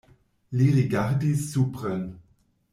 Li rigardis supren.